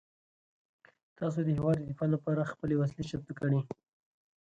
تاسو د هیواد د دفاع لپاره خپلې وسلې چمتو کړئ.